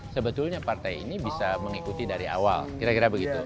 sebetulnya partai ini bisa mengikuti dari awal kira kira begitu